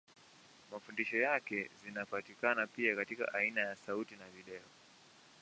Mafundisho yake zinapatikana pia katika aina ya sauti na video.